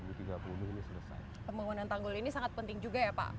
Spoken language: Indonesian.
pembangunan tanggul ini sangat penting juga ya pak